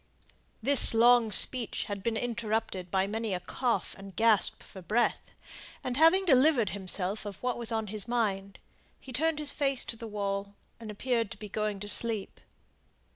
This long speech had been interrupted by many a cough and gasp for breath; and having delivered himself of what was on his mind, he turned his face to the wall, and appeared to be going to sleep.